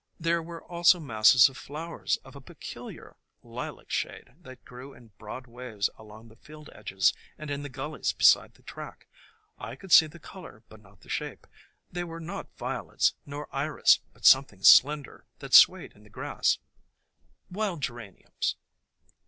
"There were also masses of flowers of a pecu liar lilac shade that grew in broad waves along the field edges and in the gullies beside the track. I could see the color but not the shape. They were not Violets, nor Iris, but something slender that swayed in the grass." "Wild Geraniums."